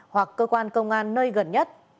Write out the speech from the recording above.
hoặc cơ quan công an nơi gần nhất